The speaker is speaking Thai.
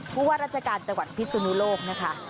ผู้ว่าราชการจังหวัดพิศนุโลกนะคะ